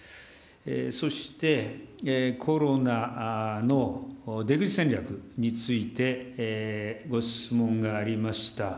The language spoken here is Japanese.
そして、コロナの出口戦略について、ご質問がありました。